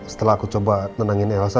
setelah aku coba nenangin elsa